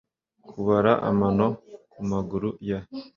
Kubara amano kumaguru ya .